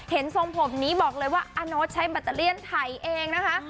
เห็นทรงผมนี้บอกเลยว่าอานโน้ตใช้บัตเตอร์เลี่ยนไถเองนะคะ